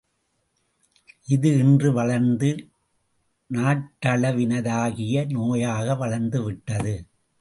இது இன்று வளர்ந்து நாட்டளவினதாகிய நோயாக வளர்ந்துவிட்டது.